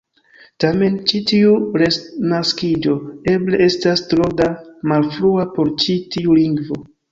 Tamen, ĉi tiu "renaskiĝo" eble estas tro da malfrua por ĉi tiu lingvo.